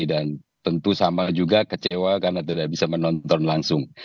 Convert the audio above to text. dan tentu sama juga kecewa karena tidak bisa menonton langsung